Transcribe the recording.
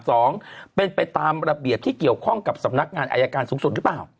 สองเป็นไปตามระเบียบที่เกี่ยวข้องกับสำนักงานอายการสูงสุดหรือเปล่า